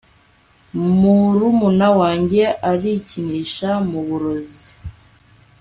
Murumuna wanjye arikinisha muburozi